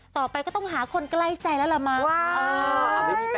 ต่อไปก็ต้องหาคนใกล้ใจแล้วล่ะมั้ง